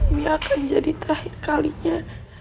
ini akan jadi terakhir kalinya